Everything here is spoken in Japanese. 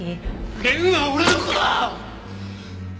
蓮は俺の子だ！